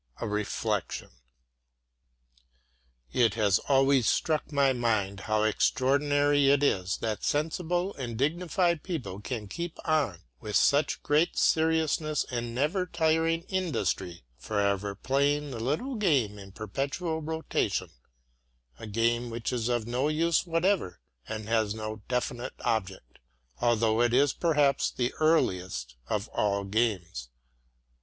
A REFLECTION It has often struck my mind how extraordinary it is that sensible and dignified people can keep on, with such great seriousness and such never tiring industry, forever playing the little game in perpetual rotation a game which is of no use whatever and has no definite object, although it is perhaps the earliest of all games.